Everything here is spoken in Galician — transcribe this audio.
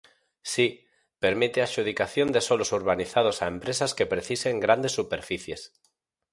Si, permite a adxudicación de solos urbanizados a empresas que precisen grandes superficies.